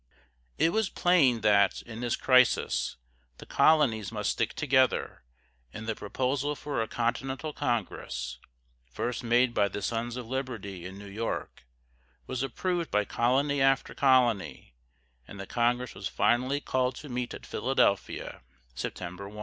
It was plain that, in this crisis, the colonies must stick together, and the proposal for a Continental Congress, first made by the Sons of Liberty in New York, was approved by colony after colony, and the Congress was finally called to meet at Philadelphia, September 1.